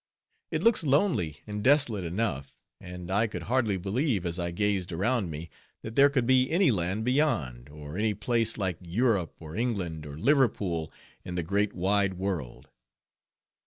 It looks lonely and desolate enough, and I could hardly believe, as I gazed around me, that there could be any land beyond, or any place like Europe or England or Liverpool in the great wide world.